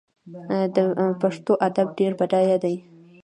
د پښتو ادب ډیر بډایه دی.